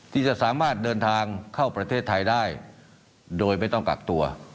ที่จะสามารถเดินทางเข้าประเทศไทยได้โดยไม่ต้องกักตัว